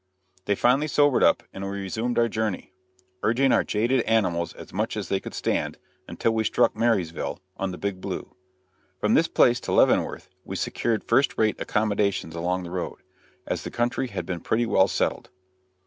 They finally sobered up, and we resumed our journey, urging our jaded animals as much as they could stand, until we struck Marysville, on the Big Blue. From this place to Leavenworth we secured first rate accommodations along the road, as the country had become pretty well settled.